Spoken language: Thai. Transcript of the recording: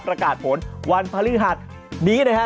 ประกาศผลวันภรรือหัดนี้นะครับ